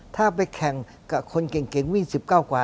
ถ้าไปแข่งกับคนเก่งวิ่ง๑๙กว่า